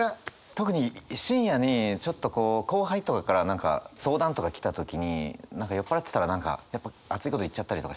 特に深夜にちょっと後輩とかから何か相談とか来た時に酔っ払ってたら何かやっぱ熱いこと言っちゃったりとかして。